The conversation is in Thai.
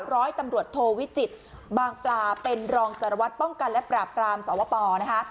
ร้อยตำรวจโทวิจิตรบางปลาเป็นรองสารวัตรป้องกันและปราบปรามสวปนะคะ